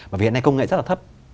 bởi vì hiện nay công nghệ rất là thấp